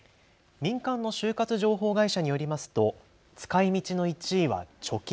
民間の就活情報会社によりますと使いみちの１位は貯金。